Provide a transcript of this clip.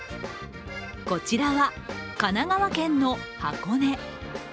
こちらは神奈川県の箱根。